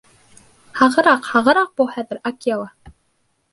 — Һағыраҡ, һағыраҡ бул хәҙер, Акела!